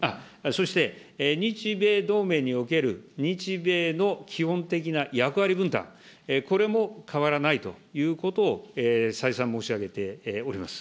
そして日米同盟における、日米の基本的な役割分担、これも変わらないということを、再三申し上げております。